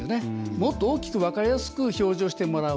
もっと大きく分かりやすく表示をしてもらう。